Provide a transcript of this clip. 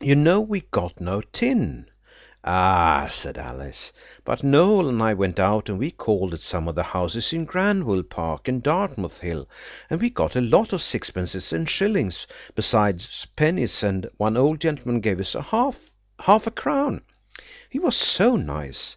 You know we've got no tin." "Ah," said Alice, "but Noël and I went out, and we called at some of the houses in Granville Park and Dartmouth Hill–and we got a lot of sixpences and shillings, besides pennies, and one old gentleman gave us half a crown. He was so nice.